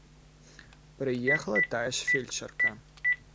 Прыехала тая ж фельчарка.